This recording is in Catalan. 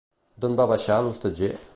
D'on va baixar l'hostatger?